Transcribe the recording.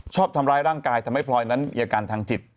ชอบทำร้ายร่างกายทำให้พลอยนั้นมีอาการทางจิต